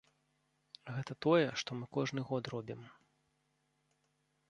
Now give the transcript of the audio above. Гэта тое, што мы кожны год робім.